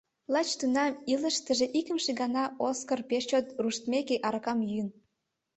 Лач тунам илышыштыже икымше гана Оскар пеш чот руштмешке аракам йӱын.